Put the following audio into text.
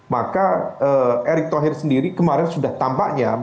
maka erik thohir sendiri kemarin sudah tampaknya mencoba untuk meyakinkan